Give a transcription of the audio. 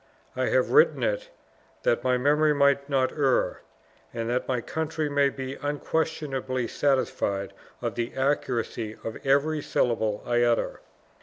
I have written it, that my memory might not err, and that my country may be unquestionably satisfied of the accuracy of every syllable I utter."